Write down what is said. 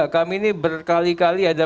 kami ini berkali kali ada